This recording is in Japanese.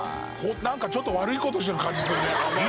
「なんかちょっと悪い事してる感じするね」